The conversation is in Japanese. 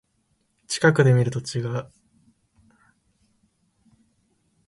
近くで見ると違うね、と君は言った。首を真上に向けて、鉄塔を見上げながら。